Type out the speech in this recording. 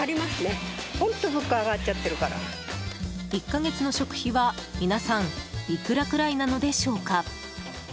１か月の食費は、皆さんいくらくらいなのでしょうか？